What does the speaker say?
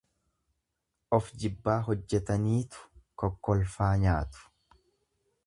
Ofjibbaa hojjetaniitu kokkolfaa nyaatu.